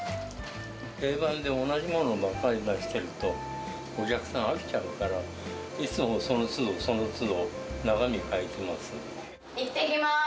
定番で同じものばっかりを出してると、お客さん、飽きちゃうから、いつもそのつど、そのつど、いってきます。